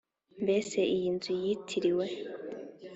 Mbese iyi nzu yitiriwe